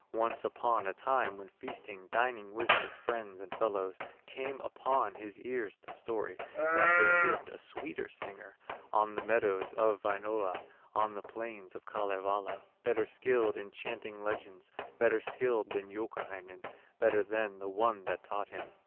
Once upon a time when feasting, Dining with his friends and fellows, Came upon his ears the story, That there lived a sweeter singer, On the meadows of Wainola, On the plains of Kalevala, Better skilled in chanting legends, Better skilled than Youkahainen, Better than the one that taught him.